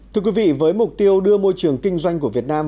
thưa quý vị với mục tiêu đưa môi trường kinh doanh của việt nam